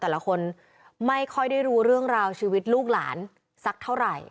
แต่ละคนไม่ค่อยได้รู้เรื่องราวชีวิตลูกหลานสักเท่าไหร่